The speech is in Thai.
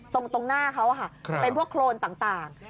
ตรงหน้าเขาเป็นพวกโครนต่าง